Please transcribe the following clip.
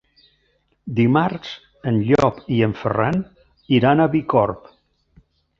Dimarts en Llop i en Ferran iran a Bicorb.